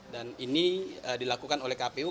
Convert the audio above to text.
dan ini dilakukan oleh kpu